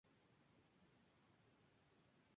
Finalmente Balduino ganó la disputa.